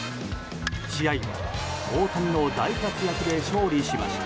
試合は大谷の大活躍で勝利しました。